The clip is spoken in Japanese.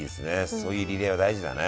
そういうリレーは大事だね。